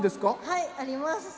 はいあります。